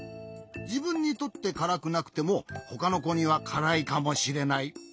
じぶんにとってからくなくてもほかのこにはからいかもしれない。